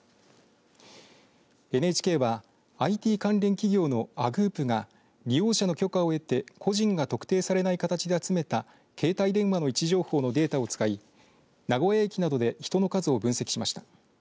ＮＨＫはＩＴ関連企業のＡｇｏｏｐが利用者の許可を得て個人が特定されない形で集めた携帯電話の位置情報のデータを使い名古屋駅などで人の数を分析しました。